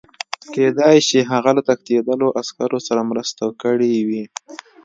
کېدای شي هغه له تښتېدلو عسکرو سره مرسته کړې وي